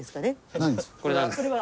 これは？